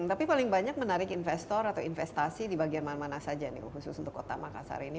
tapi paling banyak menarik investor atau investasi di bagian mana mana saja khusus untuk kota makassar ini